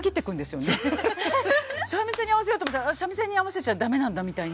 三味線に合わせようと思ったら三味線に合わせちゃダメなんだみたいな。